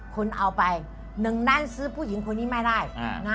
คนเอาไปหนึ่งนั้นซื้อผู้หญิงคนนี้ไม่ได้